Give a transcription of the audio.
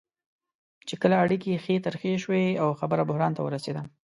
چې کله اړیکې ښې ترخې شوې او خبره بحران ته ورسېده.